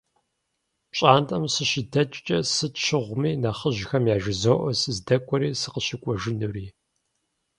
Пщӏантӏэм сыщыдэкӏкӏэ, сыт щыгъуэми нэхъыжьхэм яжызоӏэ сыздэкӏуэри сыкъыщыкӏуэжынури.